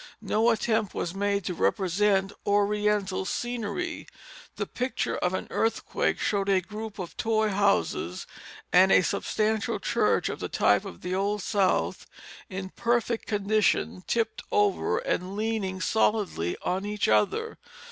No attempt was made to represent Oriental scenery. The picture of an earthquake showed a group of toy houses and a substantial church of the type of the Old South in perfect condition, tipped over and leaning solidly on each other.